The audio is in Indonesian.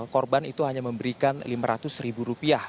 korban itu hanya memberikan lima ratus ribu rupiah